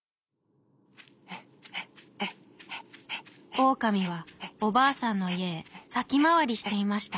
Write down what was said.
オオカミはおばあさんのいえへさきまわりしていました。